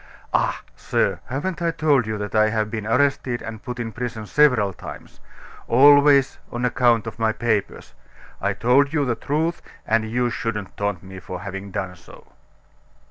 "Ah! sir, haven't I told you that I have been arrested and put in prison several times always on account of my papers? I told you the truth, and you shouldn't taunt me for having done so."